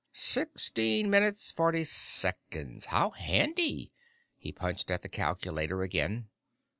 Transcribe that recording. "Sixteen minutes, forty seconds. How handy." He punched at the calculator again.